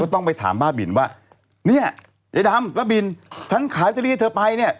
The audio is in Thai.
ต้องไปถามบ้าบินว่าเนี่ยยายดำบ้าบินฉันขายเตอรี่ให้เธอไปเนี่ย